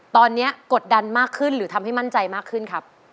ตอนนี้กดดันมากขึ้นหรือทำให้มั่นใจมากขึ้นครับ